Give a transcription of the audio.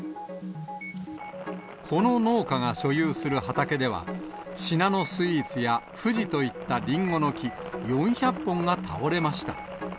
この農家が所有する畑では、シナノスイーツやフジといったリンゴの木、４００本が倒れました。